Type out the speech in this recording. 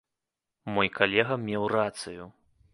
Мой калега меў рацыю!